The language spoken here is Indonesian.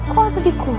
kok ada di kursi